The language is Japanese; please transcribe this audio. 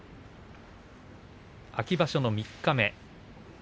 秋場所の三日目。